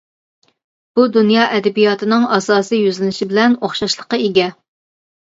بۇ دۇنيا ئەدەبىياتىنىڭ ئاساسىي يۈزلىنىشى بىلەن ئوخشاشلىققا ئىگە.